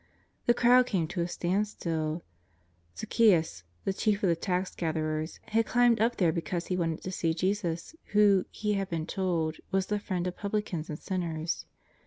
The crowd came to a standstill. Zaccheus, the chief of the tax gatherers, had climbed up there be cause he wanted to see Jesus, who, he had been told, was the Priend of publicans and sinners.